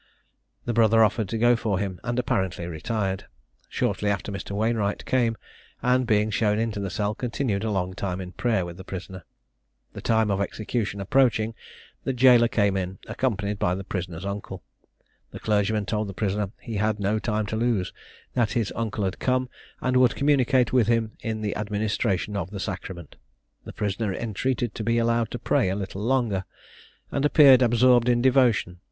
The brother offered to go for him, and apparently retired. Shortly after Mr. Wainwright came; and being shown into the cell, continued a long time in prayer with the prisoner. The time of execution approaching, the jailor came in, accompanied by the prisoner's uncle. The clergyman told the prisoner he had no time to lose that his uncle had come, and would communicate with him in the administration of the sacrament. The prisoner entreated to be allowed to pray a little longer, and appeared absorbed in devotion.